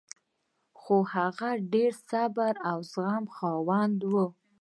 خو هغه د ډېر صبر او زغم خاوند و